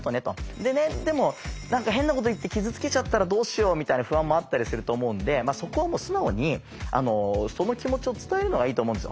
でねでも何か変なこと言って傷つけちゃったらどうしようみたいな不安もあったりすると思うんでそこはもう素直にその気持ちを伝えるのがいいと思うんですよ。